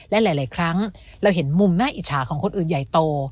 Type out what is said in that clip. และหลายครั้งเราเห็นมุมน่าอิจฉาของคนอื่นใหญ่โต